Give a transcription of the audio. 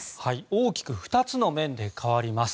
大きく２つの面で変わります。